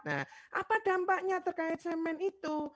nah apa dampaknya terkait semen itu